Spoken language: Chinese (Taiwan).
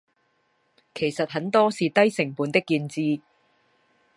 其實很多是低成本的建置